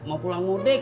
mau pulang mudik